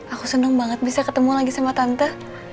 aku senang banget bisa ketemu lagi sama tante